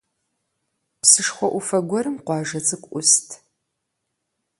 Псышхуэ Ӏуфэ гуэрым къуажэ цӀыкӀу Ӏуст.